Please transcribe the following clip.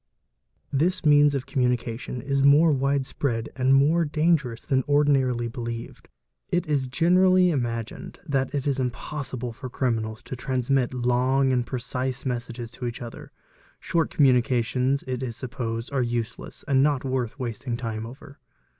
._ This means of communication is more wide spread and more danger 'ous than ordinarily believed. It is generally imagined that it is impossible for criminals to transmit long and precise messages to each other; short mmunications it is supposed are useless, and not worth wasting time er.